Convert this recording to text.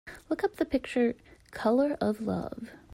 Look up the picture, Colour of Love.